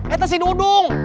eh itu si dudung